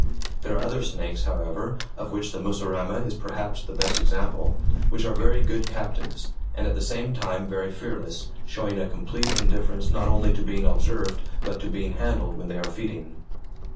There are other snakes, however, of which the mussurama is perhaps the best example, which are very good captives, and at the same time very fearless, showing a complete indifference not only to being observed but to being handled when they are feeding.